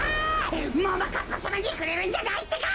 ももかっぱさまにふれるんじゃないってか！